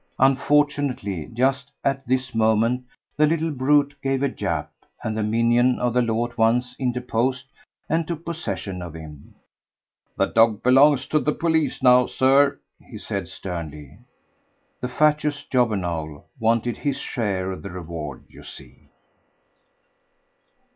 Unfortunately just at this moment the little brute gave a yap, and the minion of the law at once interposed and took possession of him. "The dog belongs to the police now, Sir," he said sternly. The fatuous jobbernowl wanted his share of the reward, you see.